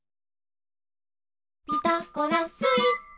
「ピタゴラスイッチ」